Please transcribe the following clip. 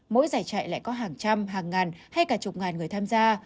mỗi giải chạy lại có hàng trăm hàng ngàn hay cả chục ngàn người tham gia